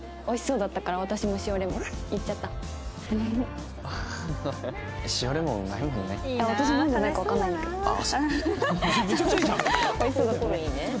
おいしそうだったね。